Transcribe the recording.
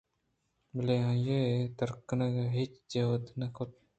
بلے آئی ءِ درکنگ ءِ ہچ جُہد ءَ نہ اَت